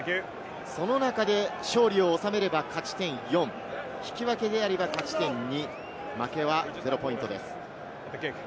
その中で勝利を収めれば勝ち点４、引き分けであれば勝ち点２、負けは０ポイントです。